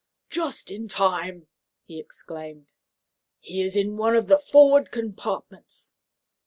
"Just in time!" he exclaimed. "He is in one of the forward compartments."